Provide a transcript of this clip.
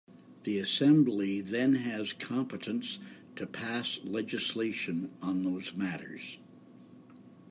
The Assembly then has competence to pass legislation on those Matters.